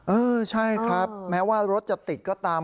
เออใช่ครับแม้ว่ารถจะติดก็ตาม